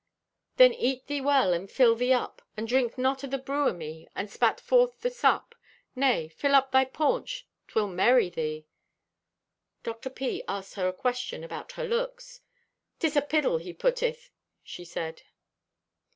"Then eat thee well and fill thee up, and drink not o' the brew o' me and spat forth the sup. Nay, fill up thy paunch. 'Twill merry thee!" Dr. P. asked her a question about her looks. "'Tis a piddle he putteth," she said.